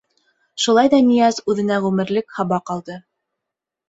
Шулай ҙа Нияз үҙенә ғүмерлек һабаҡ алды.